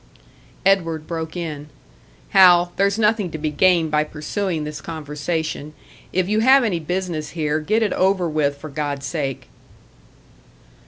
Edward broke in: "Hal, there's nothing to be gained by pursuing this conversation. If you have any business here, get it over with, for God's sake!"